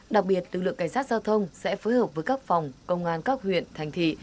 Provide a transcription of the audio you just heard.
đặc biệt lực lượng cảnh sát giao thông sẽ phối hợp với các phòng công an các huyện thành thị